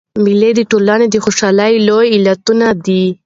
مېلې د ټولني د خوشحالۍ لوی علتونه دي.